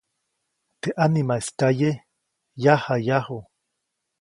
Teʼ ʼanimaʼis tyaye, yajayaju.